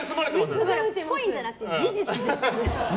っぽいじゃなくて事実です。